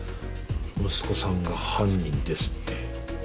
息子さんが犯人ですって。